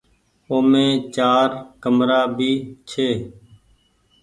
اومي چآر ڪمرآ ڀي ڇي۔